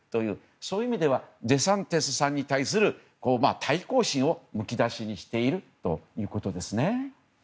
そういう意味ではデサンティスさんに対する対抗心をむき出しにしているということですね。